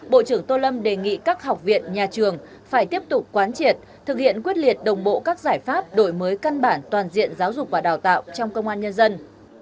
bộ trưởng tô lâm đề nghị các học viện nhà trường phải tiếp tục quán triệt thực hiện quyết liệt đồng bộ các giải pháp đổi mới căn bản toàn diện giáo dục và đào tạo trong công an nhân dân